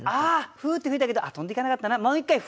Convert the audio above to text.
フーッて吹いたけど飛んでいかなかったなもう一回フーッと。